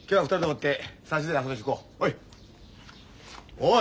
おい！